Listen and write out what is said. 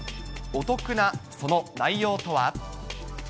お得なその内容とは？